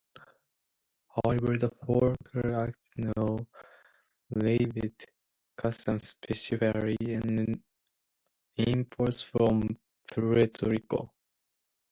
However, the Foraker Act now levied customs specifically on imports from Puerto Rico.